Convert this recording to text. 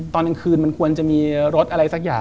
ตอนกลางคืนมันควรจะมีรถอะไรสักอย่าง